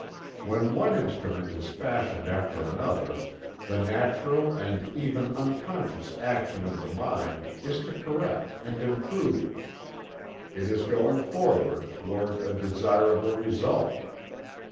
When one instrument is fashioned after another the natural and even unconscious action of the mind is to correct and improve. It is a going forward toward a desirable result.